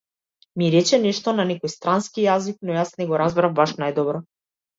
Ми рече нешто на некој странски јазик, но јас не го разбирав баш најдобро.